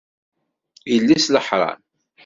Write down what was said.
Yelli-s n leḥṛam!